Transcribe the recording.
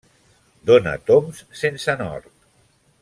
Dona tombs sense nord.